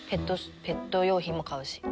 ペット用品も買うし。